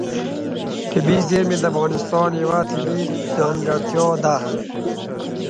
طبیعي زیرمې د افغانستان یوه طبیعي ځانګړتیا ده.